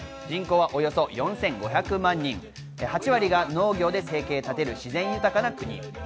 人口はおよそ４５００万人、８割が農業で生計を立てる自然豊かな国。